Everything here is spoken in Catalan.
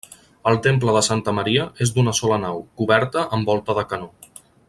El temple de Santa Maria és d'una sola nau, coberta amb volta de canó.